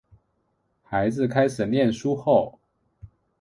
孩子开始念书后